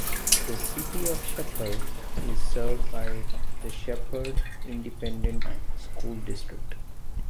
The City of Shepherd is served by the Shepherd Independent School District.